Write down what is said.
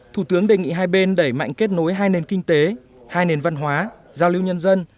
thủ tướng đề nghị hai bên đẩy mạnh kết nối hai nền kinh tế hai nền văn hóa giao lưu nhân dân